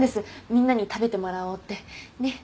みんなに食べてもらおうってねっ。